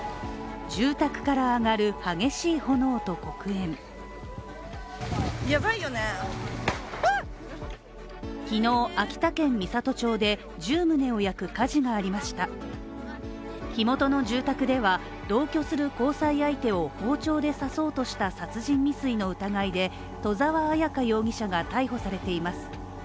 また、アメリカが主導する新たな経済圏構想、昨日秋田県美郷町で１０棟を焼く火事がありました火元の住宅では、同居する交際相手を包丁で刺そうとした殺人未遂の疑いで、戸澤彩香容疑者が逮捕されています。